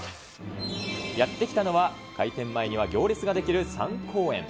やって来たのは、開店前には行列が出来る三幸園。